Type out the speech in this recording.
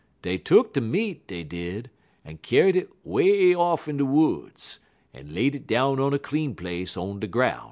Dey tuck de meat, dey did, en kyar'd it way off in de woods, en laid it down on a clean place on de groun'.